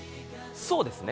そうですね。